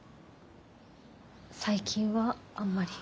最近はあんまり。